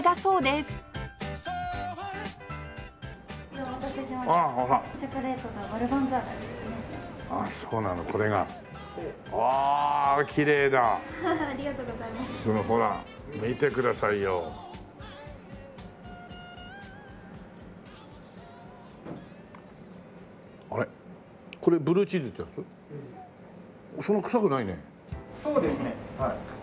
そうですねはい。